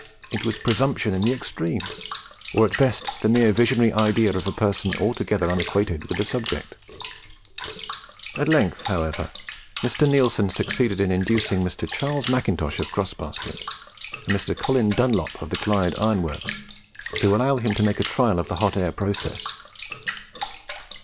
It was presumption in the extreme, or at best the mere visionary idea of a person altogether unacquainted with the subject! At length, however, Mr. Neilson succeeded in inducing Mr. Charles Macintosh of Crossbasket, and Mr. Colin Dunlop of the Clyde Iron Works, to allow him to make a trial of the hot air process.